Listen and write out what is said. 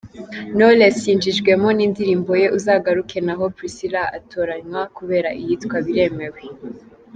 Knowless yinjijwemo n’indirimbo ye ‘Uzagaruke’ naho Priscillah atoranywa kubera iyitwa ‘Biremewe’.